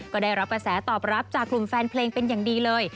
ก็ได้รับกระแสตอบรับจากกลุ่มแฟนเพลงเป็นอย่างดีเลย